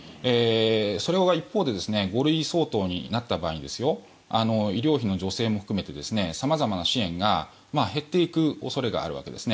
その一方で５類相当になった場合医療費の助成も含めて様々な支援が減っていく恐れがあるわけですね。